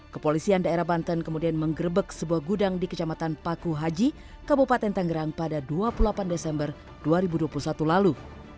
kepolisian daerah banten kemudian menggerbek sebuah gudang di kecamatan paku haji kabupaten tangerang pada dua puluh delapan desember dua ribu dua puluh satu lalu